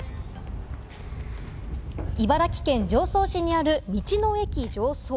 茨城県常総市にある道の駅・常総。